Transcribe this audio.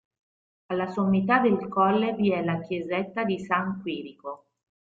Alla sommità del colle vi è la chiesetta di San Quirico.